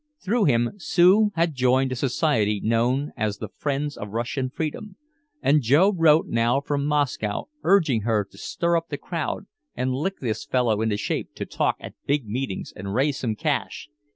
Through him Sue had joined a society known as "The Friends of Russian Freedom," and Joe wrote now from Moscow urging her to "stir up the crowd and lick this fellow into shape to talk at big meetings and raise some cash.